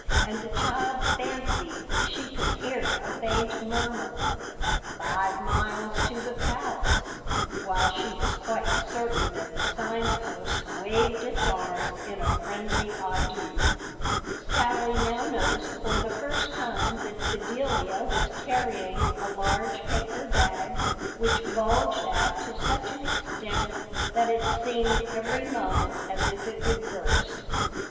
And the child fancied that she could hear a faint murmur, "Five miles to the Palace," while she was quite certain that the Sign Post waved its arms in a friendly adieu. Sally now noticed for the first time that Bedelia was carrying a large paper bag which bulged out to such an extent that it seemed every moment as if it would burst.